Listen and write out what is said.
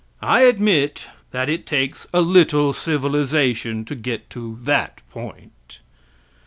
I admit that it takes a little civilization to get to that point.